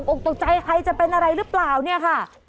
ออกตกใจใครจะเป็นอะไรหรือเปล่า